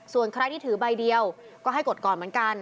ส่วนใครที่ถือใบเดียวก็ให้กดก่อนเหมือนกัน